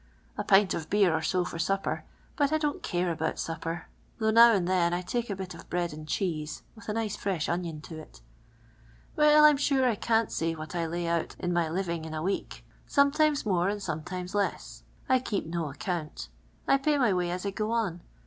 A pint of beer or so for supper, but I di n't care about supper, though now and then I tike a bit of bread and cheese with a nice fre^h onion to it. Weil, I 'm bure I can't s,iy what I lay o»i: in my living in a week : sometin.es more and tonioiinirs less. I ke» p no account ; I pay my wj'.y as I go on.